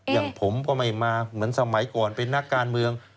อย่างผมก็ไม่มาเหมือนสมัยก่อนเป็นนักการเมือง